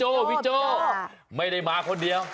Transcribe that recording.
พี่โจ้ไม่ได้มาคนเดียว